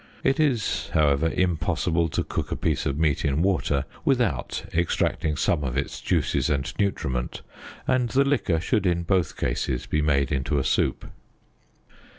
It is, however, impossible to cook a piece of meat in water without extracting some of its juices and nutriment, and the liquor should in both cases be made into a soup.